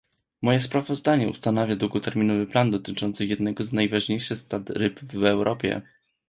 Moje sprawozdanie ustanawia długoterminowy plan dotyczący jednego z najważniejszych stad ryb w Europie